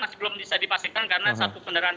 masih belum bisa dipastikan karena satu kendaraan